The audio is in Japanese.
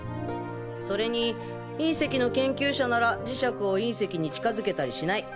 それに隕石の研究者なら磁石を隕石に近づけたりしない。